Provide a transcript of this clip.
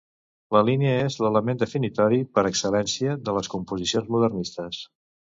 La línia és l’element definitori per excel·lència de les composicions modernistes.